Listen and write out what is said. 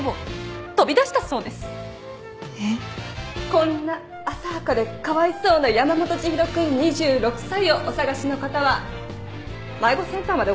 こんな浅はかでかわいそうな山本知博君２６歳をお捜しの方は迷子センターまでお越しください。